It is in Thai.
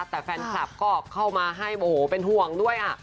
แต่แฟนคลับก็เข้ามาให้โมโหเป็นห่วงด้วย